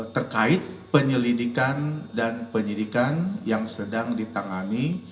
terkait penyelidikan dan penyidikan yang sedang ditangani